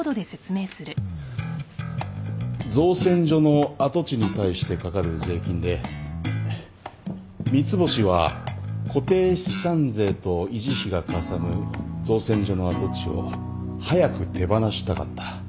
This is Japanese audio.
造船所の跡地に対してかかる税金で三ツ星は固定資産税と維持費がかさむ造船所の跡地を早く手放したかった。